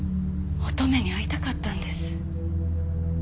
乙女に会いたかったんです。